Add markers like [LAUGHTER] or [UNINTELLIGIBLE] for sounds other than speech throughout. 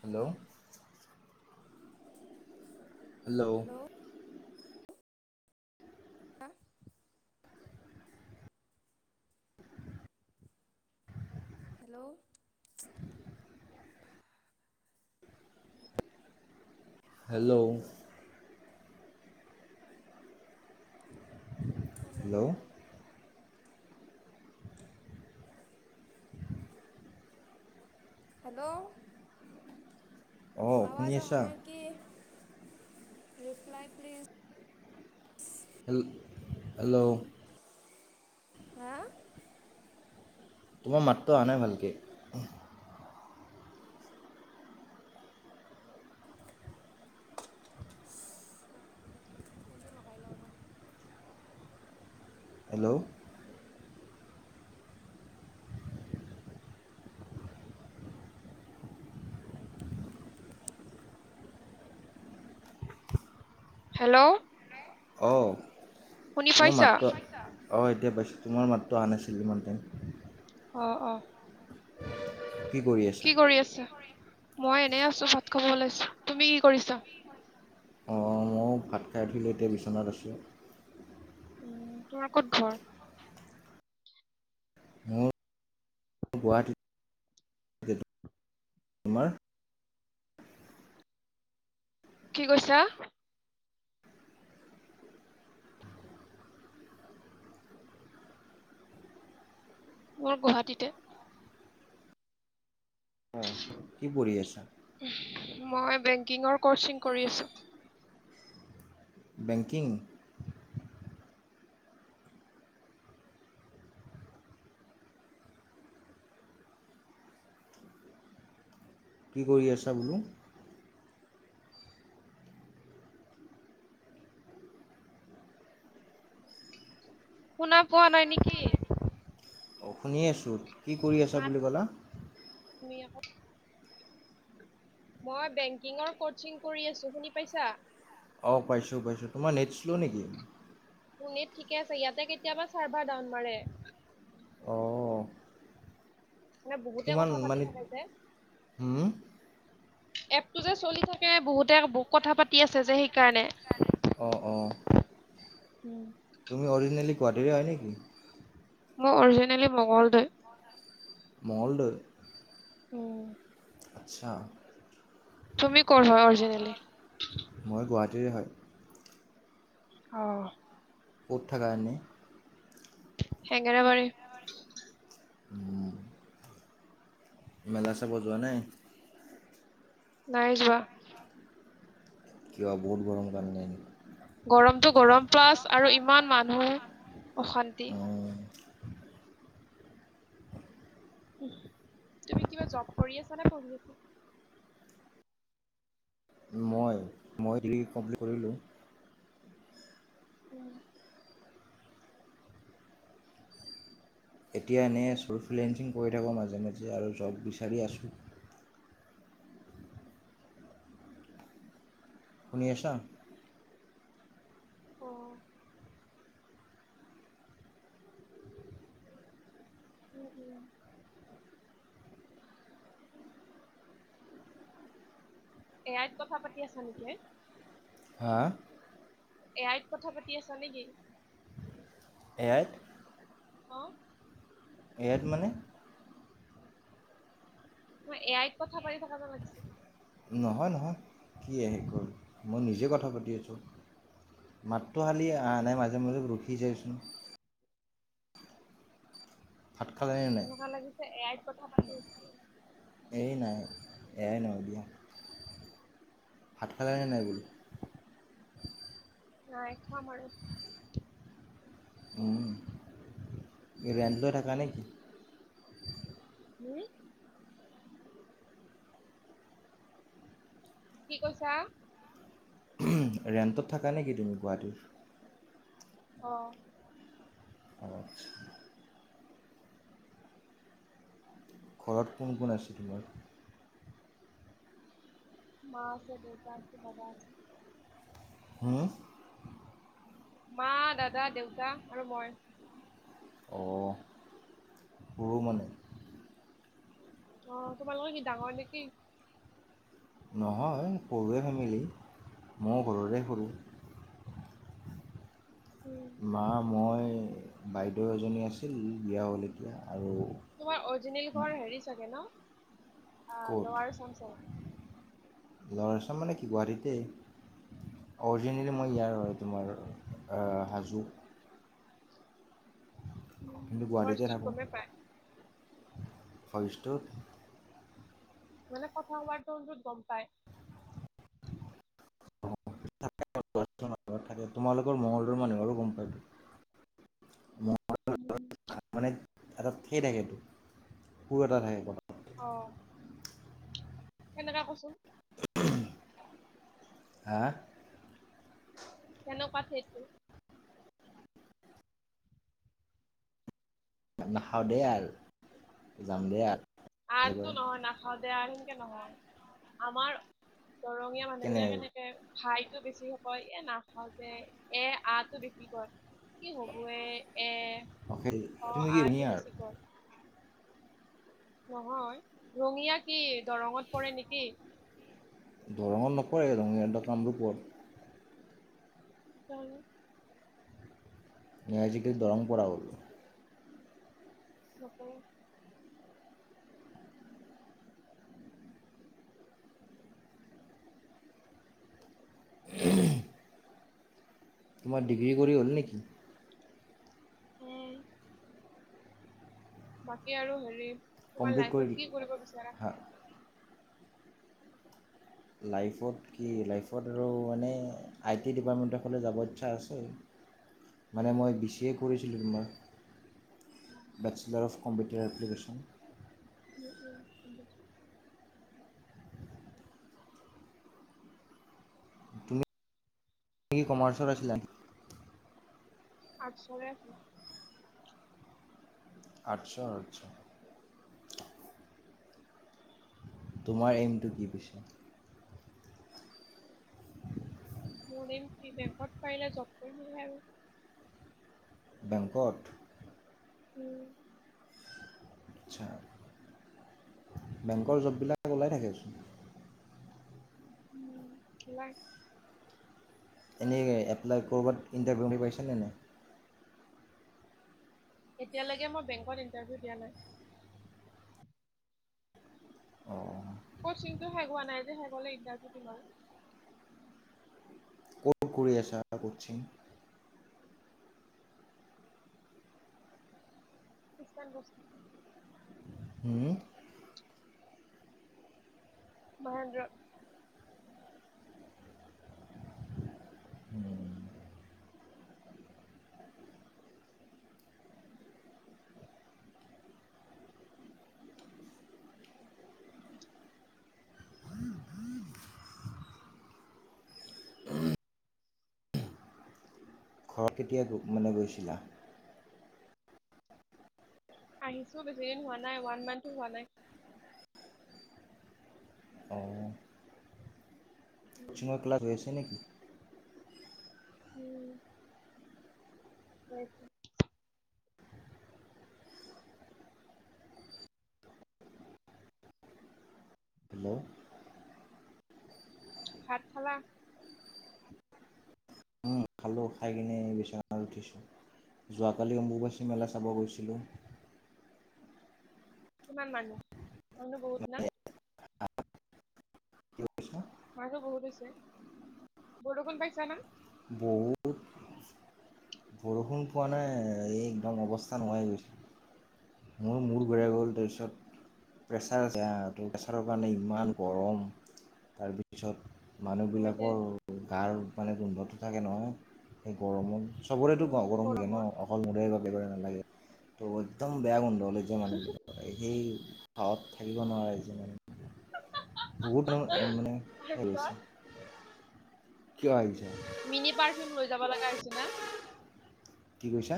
Hello. Hello. [UNINTELLIGIBLE] Hello. Hello. Hello. [UNINTELLIGIBLE] Hello. অঁ শুনি আৱাজ অহা আছা নাই কি ৰিপ্লাই প্লিজ। হে, হেল্ল'। হা? তোমাৰ মাতটো অহা নাই ভালকে। ফোনটো লগাই লওঁ ৰ হেল্ল'। হেল্ল'। অঁ। শুনি তোমাৰ পাইছা মাতটো, অঁ' এতিয়া পাইছোঁ, তোমাৰ মাতটো অহা নাছিল ইমানকে। অহ'-অহ'। কি কৰি আছা? কি কৰি আছা, মই এনেই আছো ভাত খাব ওলাইছোঁ, তুমি কি কৰিছা? অঁ' মইও ভাত খাই উঠিলৈ এতিয়া বিচনাত আছোঁ। উমঁ' তোমাৰ ক'ত ঘৰ? মোৰ গুৱাহাটীত তোমাৰ কি কৈছা? মোৰ গুৱাহাটীতে। অঁ। কি পঢ়ি আছা? মই বেংকিঙৰ কৰ্চিং কৰি আছোঁ। বেংকিং। কি কৰি আছা বোলো? শুনা পোৱা নাই নেকি? অঁ' শুনি আছোঁ, কি কৰি আছা মাত বুলি ক'লা? তুমি আকৌ। মই বেংকিঙৰ ক'চিং কৰি আছোঁ, শুনি পাইছা? অঁ' পাইছোঁ পাইছোঁ, তোমাৰ নেট শ্লো নেকি? মোৰ নেট ঠিকে আছে, ইয়াতে কেতিয়াবা চাৰ্ভাৰ ডাউন মাৰে। অঁ মানে বহুতে কথা পাতি থাকে যে। হুম। এপটো যে চলি থাকে বহুতে কথা পাতি আছে যে সেইকাৰণে। অঁ অঁ [UNINTELLIGIBLE] তুমি অৰজিনেলি গুৱাহাটীৰে হয় নেকি? মই অৰজিনেলি মঙ্গলদৈ। মঙ্গলদৈ। উম'। আচ্ছা'। তুমি কৰ হয় অৰজিনেলি? মই গুৱাহাটীৰে হয়। অ ক'ত থাকা এনে হেঙেৰাবাৰী উম, মেলা চাব যোৱা নাই। নাই যোৱা কিয় বহুত গৰম কাৰণে গৰমটো গৰম নি প্লাছ আৰু ইমান মানুহ অশান্তি উম, তুমি কিবা জব কৰি আছা নে পঢ়ি আছা মই মই ডিগ্ৰী কমপ্লিট কৰিলোঁ উম এতিয়া এনেই আছো ফিলেঞ্চিং কৰি থাকোঁ মাজে মাজে আৰু জব বিচাৰি আছোঁ শুনি আছা অ উম উম এ আইত কথা পাতি আছা নেকি হে হা এ আইত কথা পাতি আছা নেকি এ আইত অ এ আইত মানে মই এ আইত কথা পাতি থকা যেন লাগিছে নহয় নহয় কি আহি গ'ল মই নিজে কথা পাতি আছোঁ মাতটো খালি আহা নাই মাজে মাজে ৰখি যায়চোন ভাত খালেন এনেকুৱা লাগিছে এ আইত কথা পাতি আছা নি এই নাই এ আই নহয় দিয়া ভাত খালা নে নাই বোলো নাই খোৱা মাৰ উম ৰেণ্ট লৈ থাকা নে কি উম কি কৈছা ৰেণ্টত থাকা নিকি তুমি গুৱাহাটীত অ অ ঘৰত কোন কোন আছে তোমাৰ মাঁ আছে, দেউতা আছে, দাদা আছে। হুউম মা, দাদা, দেউতা আৰু মই অ সৰু মানে অ তোমাৰ লোকৰ কি ডাঙৰ নেকি নহয় সৰু য়ে ফেমিলি মই ঘৰৰে সৰুঁ উম মা মই বাইদেউ এজনী আছিল বিয়া হ'ল এতিয়া আৰু তোমাৰ অৰিজিনেল ঘৰ হেৰি চাগে ন' ক'ত লৱাৰ আচাম? লৱাৰ আচাম মানে কি গুৱাহাটীতে। অৰিজিনেলি মই ইয়াৰ হয়, তোমাৰ হাজো। গুৱাহাটীতে ভইচটোত থাকোঁ, গমেই পায় ভইচটোত মানে কথা টনটোট গ'ম পায়। ঘৰত থাকে তোমালোকৰ মঙলদৈৰ মানুহৰো গ'ম পাই টো [UNINTELLIGIBLE] উম। তাত মানে এটা থেই থাকে টো সুৰ এটা থাকে ক অ'। কেনেকা কচোন? হা? কেনেকুৱা থেটটো? নাখাওঁদে আৰ যামদে আৰ। আটো নহয় নাখাওদে আ সেনকে নহয় আমাৰ দৰঙীয়া মানুহ কেনে বিলাক এনেকে খাইতটো বেছি কয় এ নাখাওঁ যে এ আ টো বেছি কয়। কি হব এ এ অ', তুমি কি আ টো ৰঙিয়াৰ বেছি কয়। নহয় ৰঙীয়া কি দৰঙত পৰে নেকি? দৰঙত নপৰে ৰঙীয়া টো কামৰূপত। তেতিয়াহ'লে। আজি কালি দৰং পৰা হ'ল। নপৰে। তোমাৰ ডিগ্ৰী কৰি হ'ল নেকি? উম। বাকী আৰু হেৰি তোমাৰ কমপ্লিট কৰিল লাইফত কি কৰিব বিচাৰা? হা লাইফত কি লাইফত আৰু মানে আই টি ডিপাৰ্টমেণ্টৰ ফালে যাব ইচ্ছা আছে। [INAUDIBLE] মানে উম মই বি চি এ কৰিছিলোঁ উম তোমাৰ বেচেলাৰ অফ কম্পিউটাৰ এপ্লিকেশ্যন। উম, উম [UNINTELLIGIBLE] তুমি কি কমাৰ্চৰ আছিলা? আৰ্টছ ৰে [UNINTELLIGIBLE] আৰ্টচৰ আচ্ছা। তোমাৰ এইমটো কি পিছে? [INAUDIBLE] মোৰ এইম কি বেংকত পাৰিলে জব কৰিম বুলি হে আৰু। বেংকত? উম। আচ্ছা, বেংকৰ জববিলাক ওলাই থাকেচোন। উম, উলাই। এনেই এপ্লাই ক'ৰবাত ইণ্টাৰভিউ দি পাইছেনে নাই? এতিয়ালৈকে মই বেংকত ইটাৰভিউ দিয়া নাই। অ'। কচিংটো শেষ হোৱা নাই যে, শেষ হ'লে ইণ্টাৰভিউ দিম আৰু। ক'ত কৰি আছা কচিং? খৃষ্টান বস্তি হম্ মহেন্দ্ৰ ঘৰত কেতিয়া মানে গৈছিলা? আহিছোঁ বেছিদিন হোৱা নাই ওৱান মান্থো হোৱা নাই। অঁ। কিছুমান ক্লাচ হৈ আছে নেকি? উম্। হয়। হেল্ল'। ভাত খালা? খালো, খাই কিনে এই বিচনাত উঠিছোঁ যোৱাকালি অম্বুবাচী মেলা চাব গৈছিলোঁ। কিমান মানুহ, মানুহ বহুত না কি কৈছা মানুহ বহুত হৈছে, বৰষুন পাইছা ন? বহুত বৰষুণ পোৱা নাই এই একদম অৱস্থা নোহোৱা হৈ গৈছে। মোৰ মূৰ ঘূৰাই উম গ'ল, তাৰপিছত প্ৰেছাৰ আছে হা, প্ৰেছাৰৰ কাৰণে ইমান গৰম। তাৰপিছত ততে মানুহবিলাকৰ গাৰ মানে গোন্ধটো থাকে নহয় সেই গৰমত চবৰেতো উম গৰম লাগে ন গৰমৰ অকল মদৰে বা একেবাৰে নালাগে একদম বেয়া গোন্ধ ওলায় যে মানুহবিলাকৰ সেই ভাত থাকিব নোৱাৰে যিমান বহুত [UNINTELLIGIBLE] মানে [UNINTELLIGIBLE] হৈছে। তাৰপিছত কিয় আহিছা? মিনি পাৰ্ফিউম লৈ যাব লগা হৈছে না। কি কৈছা?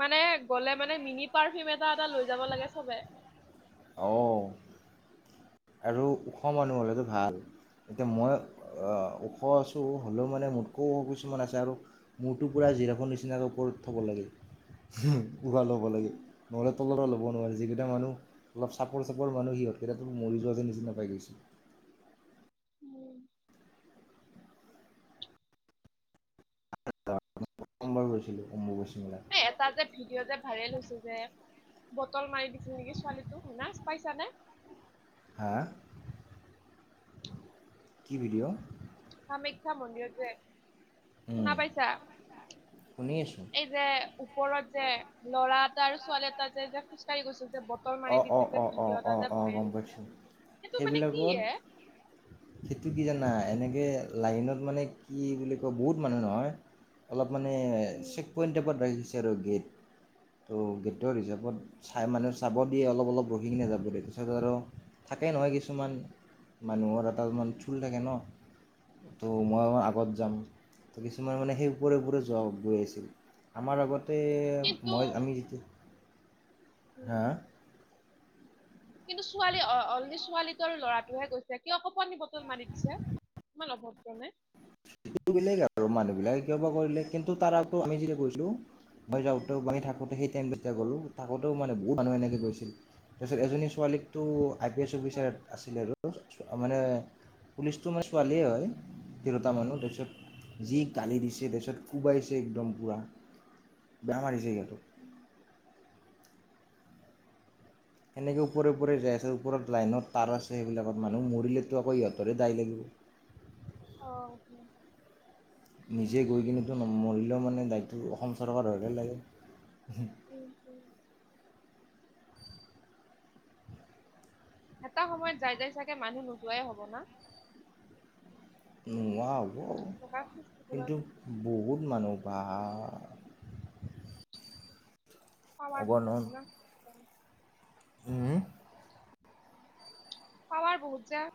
মানে গ'লে মানে মিনি পাৰফিউম এটা এটা লৈ যাব লাগে চবে। অঁ। আৰু ওখ মানুহ হ'লেতো ভাল। এতিয়া মই ওখ আছোঁ হ'লেও মানে মোতকৈও ওখ কিছুমান আছে আৰু মোৰটো পোৰা জিৰাফৰ নিচিনাকৈ ওপৰত থ'ব লাগে। উশাহ ল'ব লাগে নহ'লে তলতে ল'ব নোৱাৰে যিকেইটা মানুহ অলপ চাপৰ চাপৰ মানুহ ইহঁতকেইটা মৰি যোৱা যে নিচিনা পাই গৈছিল। উম্। সোমবাৰ গৈছিলোঁ অম্বুবাচী মেলা। এটা যে ভিডিঅ' যে ভাইৰেল হৈছে যে বটল মাৰি দিছিল নেকি ছোৱালীটোক লাজ পাইছা নে? হা কি ভিডিঅ'? কামাখ্যা মন্দিৰত যে, শুনা পাইছা? শুনি আছোঁ যে ওপৰত যে ল'ৰা এটা আৰু ছোৱালী এটা যে যে খোজকাঢ়ি গৈছিল যে বটল মাৰি অঁ অঁ দিছে যে অঁ অঁ ভিডিঅ' এটা অঁ যে অঁ ভাইৰেল গম হৈছে পাইছোঁ সেইটো মানে কি সেইবিলাকত এ সেইটো কি জানা এনেকে লাইনত মানে কি বুলি কয় বহুত মানুহ নহয় অলপ মানে চেক পইণ্ট টাইপত ৰাখিছে আৰু গেট ত' ৰিজেক্ত চাই মানুহ [UNINTELLIGIBLE] খাব দিয়ে অলপ অলপ ৰহি কিনে যাব দিয় তাৰিছত আৰু থাকেই নহয় কিছুমান। মানুহৰ এটা মান চুল থাকে ন। ত' মই আগত যাম ত কিছুমান মানে সেই ওপৰে ওপৰে যোৱা গৈ আহিছিল। আমাৰ আগতে কিন্তু মই আমি যেতিয়া। হা। কিন্তু ছোৱালী অলি ছোৱালীটোৰ ল'ৰাটোহে গৈছে কিয় অকপণনি বটল মাৰি দিছে। ইমান অভদ্ৰ নে। সেইটো বেলেগ আৰু মানুহ বিলাকে কিয় পাবলে কিন্তু তাৰ আগত আমি যেতিয়া গৈছিলোঁ। হৈ যাওঁ তেওঁ বাহী থাকো তেওঁ সেই ট। তেতিয়া গ'লোঁ থাকোঁতেও মানে বহুত মানুহ এনেকৈ গৈছিল তাৰপিছত এজনী ছোৱালীকতো আই পি এছ অফিচাৰে। আছিলে আৰু মানে পুলিচটো মানে ছোৱালীয়ে হয় তিৰুতা মানুহ তাৰপিছত। যি গালি দিছে তাৰপিছত কোবাইছে একদম পোৰা বেয়া মাৰিছে সিহঁতক। এনেকৈ ওপৰে ওপৰে যাই আছে ওপৰত লাইনত তাৰ আছে সেইবিলাকত মানুহ মৰিলেতো আকৌ ইহঁতেৰে দাই লাগিব। অ। নিজে গৈ কিনিতো মৰিলেও মানে দায়িত্ব অসম চৰকাৰৰ হতে লাগিব। এটা সময়ত যাই যাই চাগে মানুহ নোযোৱাই হ'ব না। নুহোহ হ'ব এনেকুৱা ফেষ্টিভেলত কিন্তু বহুত মানুহ বা। [UNINTELLIGIBLE] হুম। পাৱাৰ বহুত যে।